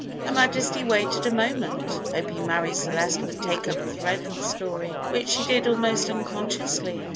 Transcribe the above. Her Majesty waited a moment, hoping Marie Celeste would take up the thread of the story, which she did almost unconsciously.